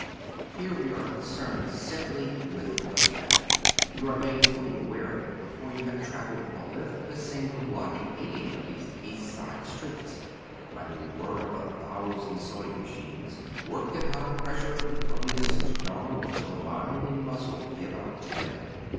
Here we are concerned simply with the fact. You are made fully aware of it be fore you have travelled the length of a single block in any of these East Side streets, by the whir of a thousand sewing machines, worked at high pressure from earliest dawn till mind and muscle give out together.